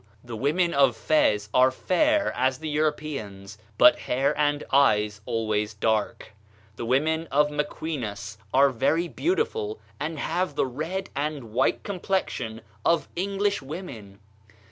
The women of Fez are fair as the Europeans, but hair and eyes always dark. The women of Mequinas are very beautiful, and have the red and white complexion of English women."